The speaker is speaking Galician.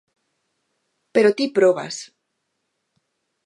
Pero ti probas.